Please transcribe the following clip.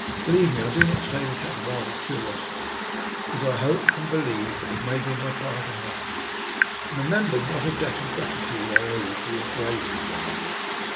Believe me, I do not say this out of any idle curiosity, but because I hope and believe that it may be in my power to help you. Bemember what a debt of gratitude I owe you for your bravery the other night.